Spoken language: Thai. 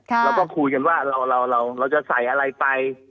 เราก็คุยกันว่าเราเราจะใส่อะไรไป